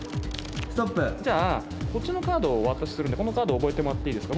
こっちのカードをお渡しするんでこのカードを覚えてもらっていいですか？